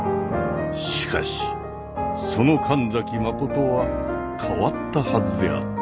しかしその神崎真は変わったはずであった。